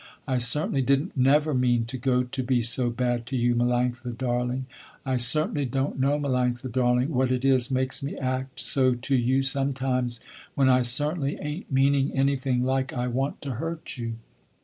"I certainly didn't never mean to go to be so bad to you, Melanctha, darling. I certainly don't know, Melanctha, darling, what it is makes me act so to you sometimes, when I certainly ain't meaning anything like I want to hurt you.